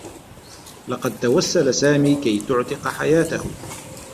لقد توسّل سامي كي تُعتق حياته.